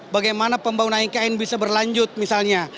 bagaimana pembangunan ikn bisa berlanjut misalnya